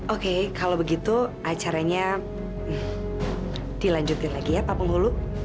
akhirnya aku menikah juga sama kamu milo